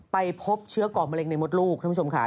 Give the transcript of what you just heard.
ไปพบเชื้อก่อมะเร็งในมดลูกท่านผู้ชมค่ะ